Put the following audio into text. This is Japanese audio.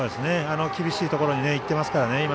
厳しいところにいっていますね。